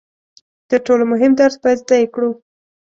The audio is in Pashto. تر ټولو مهم درس باید زده یې کړو.